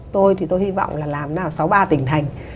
tôi thì tôi hy vọng là làm nào sáu ba tỉnh thành